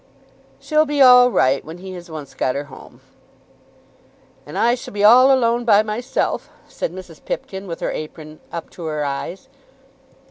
"She'll be all right when he has once got her home." "And I shall be all alone by myself," said Mrs. Pipkin, with her apron up to her eyes.